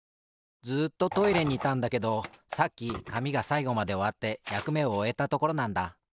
ずっとトイレにいたんだけどさっきかみがさいごまでおわってやくめをおえたところなんだ。